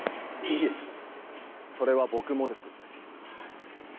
いえそれは僕もです。